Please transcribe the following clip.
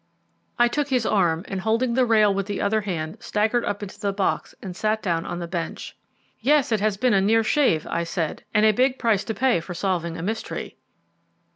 I took his arm, and holding the rail with the other hand staggered up into the box and sat down on the bench. "Yes, it has been a near shave," I said; "and a big price to pay for solving a mystery."